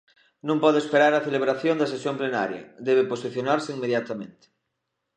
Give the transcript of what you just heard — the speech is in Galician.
Non pode esperar á celebración da sesión plenaria, debe posicionarse inmediatamente.